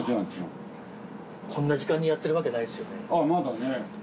こんな時間にやってるわけないですよね。